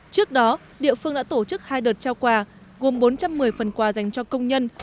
trước đó địa phương đã tổ chức hai đợt trao quà gồm bốn trăm một mươi phần quà dành cho công nhân